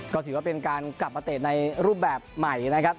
ก็ถือว่าเป็นการกลับมาเตะในรูปแบบใหม่นะครับ